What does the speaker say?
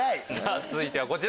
続いてはこちら。